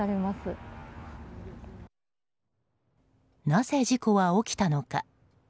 なぜ、事故は起きたのか。